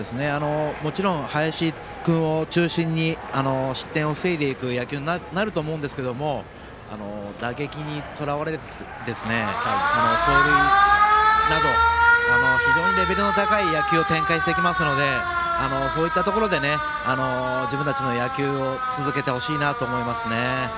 林君を中心に失点を防いでいく野球になると思うんですけど打撃にとらわれず走塁など非常にレベルの高い野球を展開していきますのでそういったところで自分たちの野球を続けてほしいなと思いますね。